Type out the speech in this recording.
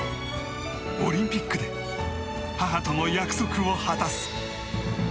オリンピックで母との約束を果たす。